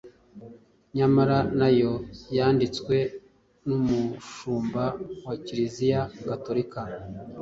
Nyamara nayo yanditswe n'umushumba wa Kiliziya gatolika